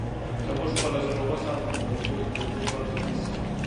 که موږ خپله ژبه وساتو، نو د پوهې کلتور به قوي سي.